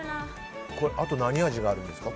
あと何味があるんですか？